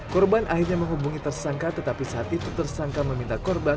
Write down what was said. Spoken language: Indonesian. korban akhirnya menghubungi tersangka tetapi saat itu tersangka meminta korban